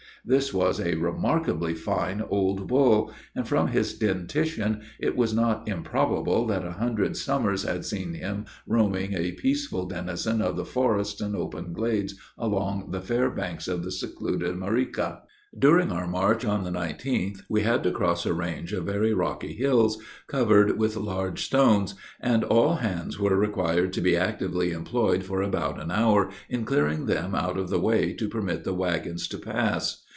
This was a remarkably fine old bull, and from his dentition it was not improbable that a hundred summers had seen him roaming a peaceful denizen of the forests and open glades along the fair banks of the secluded Mariqua. During our march, on the 19th, we had to cross a range of very rocky hills, covered with large loose stones, and all hands were required to be actively employed for about an hour, in clearing them out of the way, to permit the wagons to pass.